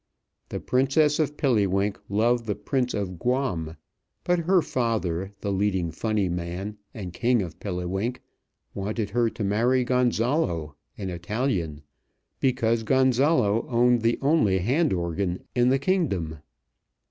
The Princess of Pilliwink loved the Prince of Guam; but her father, the leading funny man, and King of Pilliwink, wanted her to marry Gonzolo, an Italian, because Gonzolo owned the only hand organ in the kingdom.